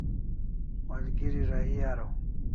Malgeri rahi araw